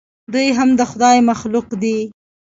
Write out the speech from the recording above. دوى هم د خداى مخلوق دي.